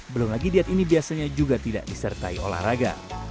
belum lagi diet ini biasanya juga tidak disertai olahraga